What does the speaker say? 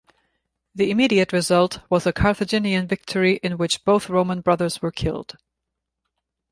The immediate result was a Carthaginian victory in which both Roman brothers were killed.